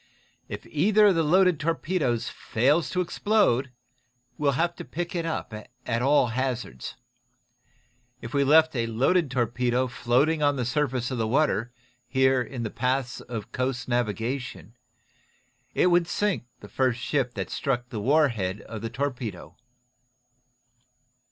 If either of the loaded torpedoes fails to explode, we'll have to pick it up, at all hazards. If we left a loaded torpedo floating on the surface of the water, here in the paths of coast navigation, it would sink the first ship that struck the war head of the torpedo."